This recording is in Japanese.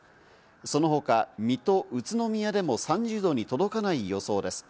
その他、水戸、宇都宮でも３０℃に届かない予想です。